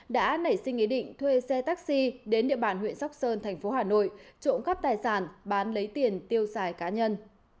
đã nảy sinh ý định thuê xe taxi đến địa bàn huyện sóc sơn thành phố hà nội trộm cắp tài sản bán lấy tiền tiêu xài cá nhân